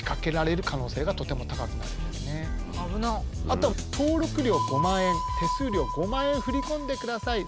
あとは「登録料５万円手数料５万円を振り込んでください。